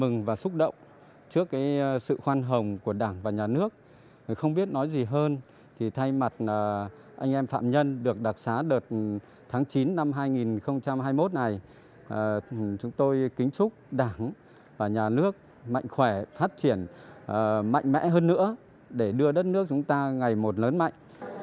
năm hai nghìn hai mươi một này chúng tôi kính chúc đảng và nhà nước mạnh khỏe phát triển mạnh mẽ hơn nữa để đưa đất nước chúng ta ngày một lớn mạnh